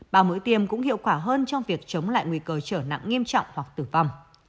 ba mũi tiêm cũng hiệu quả hơn trong việc chống lại nguy cơ trở nặng nghiêm trọng hoặc tử vong